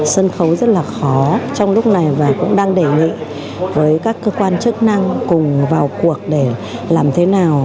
sân khấu rất là khó trong lúc này và cũng đang đề nghị với các cơ quan chức năng cùng vào cuộc để làm thế nào